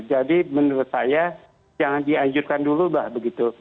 jadi menurut saya jangan diajurkan dulu bah begitu